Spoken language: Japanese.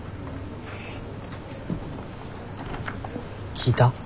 聞いた？